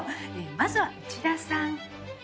まずは内田さん。